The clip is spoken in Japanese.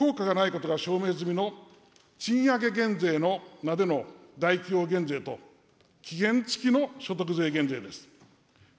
しかしその中身は効果がないことが証明済みの賃上げ減税の名での大企業減税と期限付きの所得税減税です。